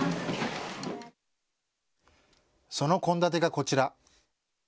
その献立がこちら。